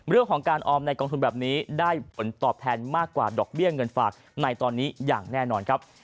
เรื่องของการออมในกองทุนแบบนี้ได้ผลตอบแทนมากกว่าดอกเบี้ยเงินฝากในตอนนี้อย่างแน่นอนครับ